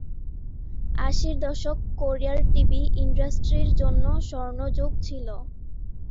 আশির দশক কোরিয়ার টিভি ইন্ডাস্ট্রির জন্য স্বর্ণযুগ ছিল।